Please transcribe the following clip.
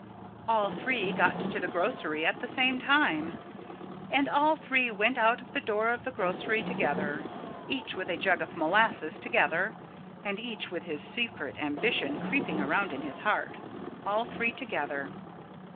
All three got to the grocery at the same time. And all three went out of the door of the grocery together, each with a jug of molasses together and each with his secret ambition creeping around in his heart, all three together.